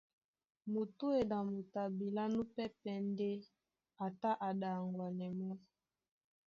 Mutúedi a motoi abilá núpɛ́pɛ̄ ndé a tá a ɗaŋwanɛ mɔ́.